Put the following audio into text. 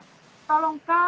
terutama anak anak kita